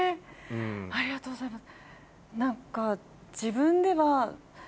ありがとうございます。